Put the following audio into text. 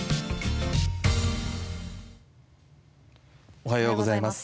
おはようございます。